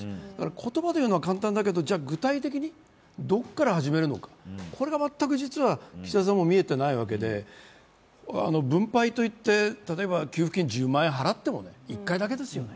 言葉で言うのは簡単だけど具体的にどこから始めるのかこれが全く岸田さんも見えていないわけで分配といって、例えば給付金１０万円払っても１回だけですよね。